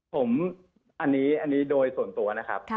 ผมอันนี้โดยส่วนตัวนะครับ